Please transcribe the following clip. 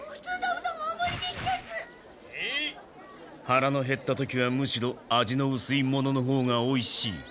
はらのへった時はむしろ味のうすいもののほうがおいしい。